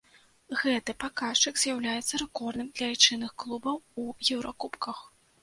Гэты паказчык з'яўляецца рэкордным для айчынных клубаў у еўракубках.